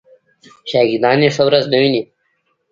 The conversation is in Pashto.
شاګردان یې ښه ورځ نه ویني.